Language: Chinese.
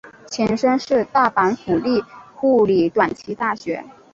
前身是大阪府立护理短期大学。